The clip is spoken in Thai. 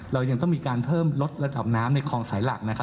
เรายังต้องมีการเพิ่มลดระดับน้ำในคลองสายหลัก